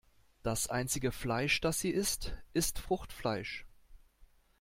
Das einzige Fleisch, das sie isst, ist Fruchtfleisch.